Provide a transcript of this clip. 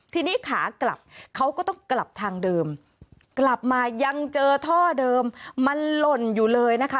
ทีนี้ขากลับเขาก็ต้องกลับทางเดิมกลับมายังเจอท่อเดิมมันหล่นอยู่เลยนะคะ